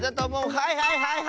はいはいはいはい！